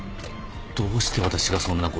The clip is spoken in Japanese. どうして私がそんなことを。